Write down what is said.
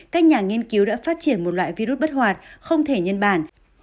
các nhà nghiên cứu đã phát triển một loại virus bất hoạt không thể nhân bản